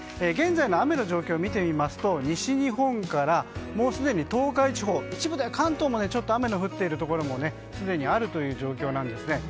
現在の雨の状況を見てみますと西日本からもうすでに東海地方、一部では関東も雨の降っているところがすでにあるという状況です。